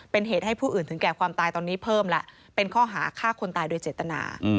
เป็นเหตุให้ผู้อื่นถึงแก่ความตายตอนนี้เพิ่มแล้วเป็นข้อหาฆ่าคนตายโดยเจตนา